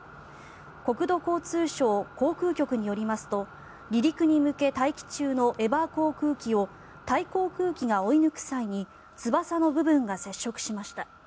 国土交通省航空局によりますと離陸に向け、待機中のエバー航空機をタイ航空機が追い抜く際に翼の部分が接触しました。